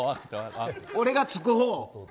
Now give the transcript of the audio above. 俺がつくほう。